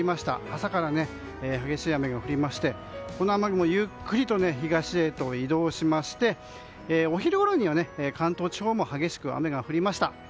朝から激しい雨が降りましてこの雨雲はゆっくりと東へ移動しましてお昼ごろには関東地方も激しく雨が降りました。